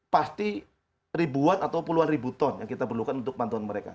pasti ribuan atau puluhan ribu ton yang kita perlukan untuk bantuan mereka